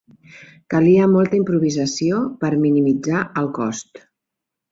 Calia molta improvisació per minimitzar el cost.